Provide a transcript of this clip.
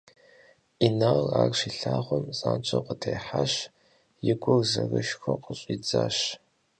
Инал ар щилъагъум, занщӀэу къытехьащ, и гур зэрышхыу къыщӀидзащ.